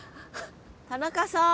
田中さん。